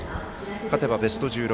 勝てばベスト１６。